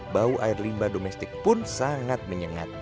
bau air limba domestik pun sangat menyengat